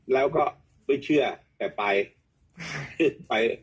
แล้วก็ไม่เชื่อแต่ไปไป